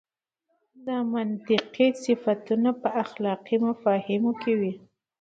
دا منطقي صفتونه په اخلاقي مفاهیمو کې وي.